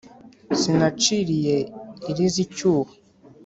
Sinaciriye iriza icyuho